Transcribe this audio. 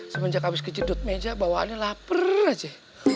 sebenarnya habis kejedut meja bawaannya lapar aja